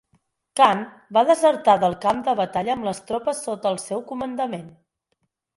Khan va desertar del camp de batalla amb les tropes sota el seu comandament.